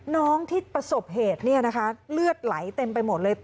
น้องที่ประสบเหตุเลือดไหลเต็มไปหมดเลย